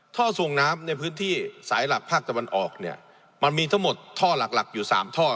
ท่อส่งน้ำในพื้นที่สายหลักภาคตะวันออกเนี่ยมันมีทั้งหมดท่อหลักหลักอยู่สามท่อ